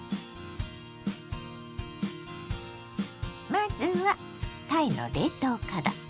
まずはたいの冷凍から。